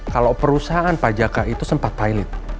kalau perusahaan pajaka itu sempat pilot